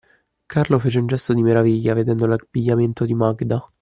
Carlo fece un gesto di meraviglia, vedendo l'abbigliamento di Magda.